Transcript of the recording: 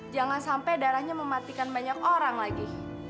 jangan sampai darahnya mematikan banyak orang lagi